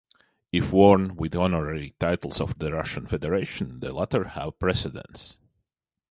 If worn with honorary titles of the Russian Federation, the latter have precedence.